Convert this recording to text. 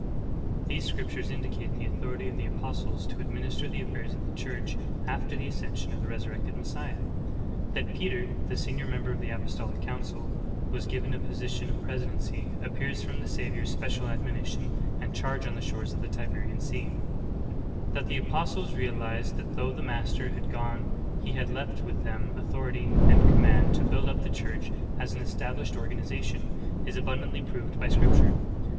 These scriptures indicate the authority of the apos tles to administer the affairs of the Church after the as cension of the Resurrected Messiah. That Peter, the senior member of the apostolic council, was given a position of pres y Luke 10; C()mi)are with Matl. 10. *Lukc 10: 17. /John 13:4 9. »«Mark 16: 14 20; compare Matt. 28: 19, 20. THE CHURCH ESTABLISHED. / idency, appears from the Savior's special admonition and charge on the shores of the Tiberian sea." 17. That the apostles realized that though the ]^Iaster had gone He had left with them authority and command to build up the Church as an established organization, is abun dantly proved by scripture.